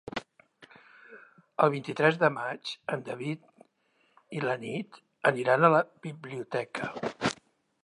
El vint-i-tres de maig en David i na Nit aniran a la biblioteca.